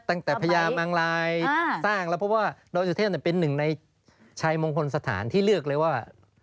ตั้งแต่พญามังลายสร้างแล้วเพราะว่าดอยสุเทพเป็นหนึ่งในชายมงคลสถานที่เลือกเลยว่า